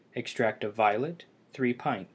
Extract of violet 1 pint.